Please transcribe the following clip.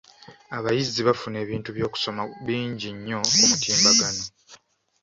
Abayizi bafuna ebintu by'okusoma bingi nnyo ku mutimbagano.